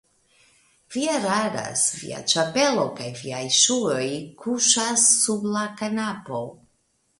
Vi eraras, via ĉapelo kaj viaj ŝuoj kuŝas sub la kanapo.